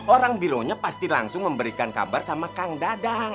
orang bironya pasti langsung memberikan kabar sama kang dadang